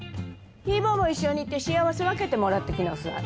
ヒー坊も一緒に行って幸せ分けてもらってきなさい。